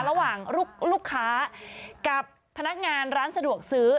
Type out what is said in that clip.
ระหว่างลูกค้ากับพนักงานร้านสะดวกซื้อ